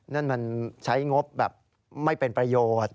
นั่นมันใช้งบแบบไม่เป็นประโยชน์